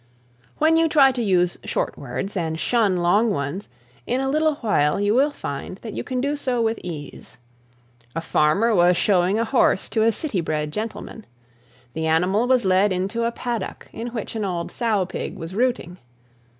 When you try to use short words and shun long ones in a little while you will find that you can do so with ease. A farmer was showing a horse to a city bred gentleman. The animal was led into a paddock in which an old sow pig was rooting.